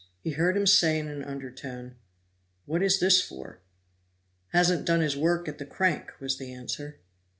He heard him say in an undertone: "What is this for?" "Hasn't done his work at the crank," was the answer.